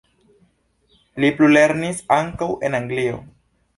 Li plulernis ankaŭ en Anglio.